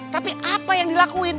tapi apa yang dilakuin